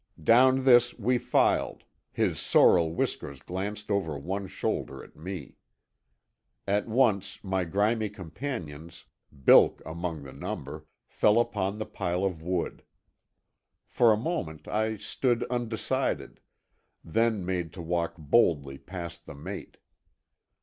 Down this we filed, his Sorrel Whiskers glanced over one shoulder at me. At once my grimy companions, Bilk among the number, fell upon the pile of wood. For a moment I stood undecided—then made to walk boldly past the mate.